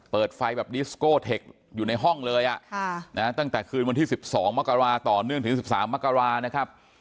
เปิดไฟล์แบบดิสโกเทคอยู่ในห้องเลยอ่ะค่ะนะฮะตั้งแต่คืนวันที่สิบสองมกราต่อเนื่องถึงสิบสามมกรานะครับ